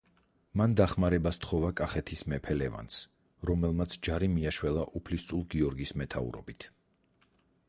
მან დახმარება სთხოვა კახეთის მეფე ლევანს, რომელმაც ჯარი მიაშველა უფლისწულ გიორგის მეთაურობით.